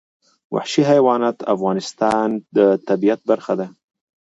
وحشي حیوانات د افغانستان د طبیعت برخه ده.